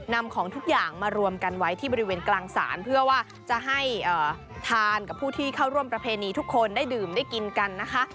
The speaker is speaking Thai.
นำของทุกอย่างมารวมกันไว้ที่บริเวณกลางศาลเพื่อว่าจะให้ทานกับผู้ที่เข้าร่วมประเพณีทุกคนได้ดื่มได้กินกันนะคะ